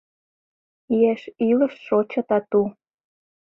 Еш илыш шочо тату.